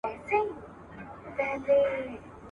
آیینه ماته که چي ځان نه وینم تا ووینم ..